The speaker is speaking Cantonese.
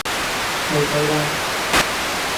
係佢啦!